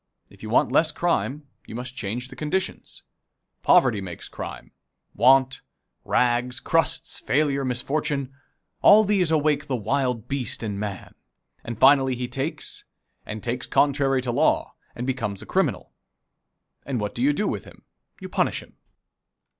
If you want less crime, you must change the conditions. Poverty makes crime. Want, rags, crusts, failure, misfortune all these awake the wild beast in man, and finally he takes, and takes contrary to law, and becomes a criminal. And what do you do with him? You punish him.